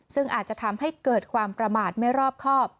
ซึ่งอาจจะทำให้เกิดความประมาทไม่รอบครอบ